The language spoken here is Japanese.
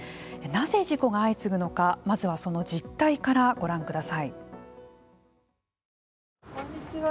なぜ事故が相次ぐのかまずはその実態からご覧ください。